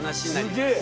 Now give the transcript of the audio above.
すげえ！